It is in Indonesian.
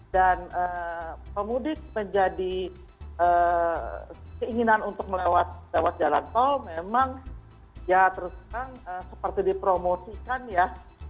dan pemudik menjadi keinginan untuk melewat jalan tol memang ya tersebut kan seperti dipromosikan ya